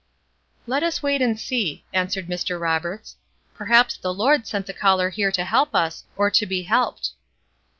"Let us wait and see," answered Mr. Roberts "perhaps the Lord sent the caller here to help us, or to be helped."